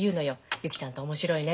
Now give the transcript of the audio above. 「ゆきちゃんって面白いね」